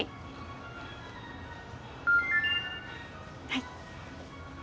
はい。